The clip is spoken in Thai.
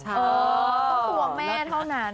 ต้องตัวแม่เท่านั้น